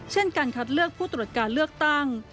เช่นการคัดเลือกผู้ตรวจการเลือกตั้ง